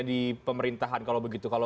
di pemerintahan kalau begitu